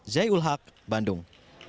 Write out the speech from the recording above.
zai ul haq bandung